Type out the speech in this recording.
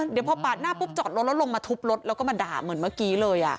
เดี๋ยวพอปาดหน้าปุ๊บจอดรถแล้วลงมาทุบรถแล้วก็มาด่าเหมือนเมื่อกี้เลย